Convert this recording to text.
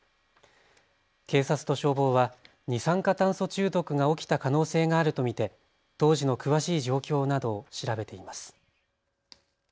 警察と消防は二酸化炭素中毒が起きた可能性があると見て当時の詳しい状況などを調べています。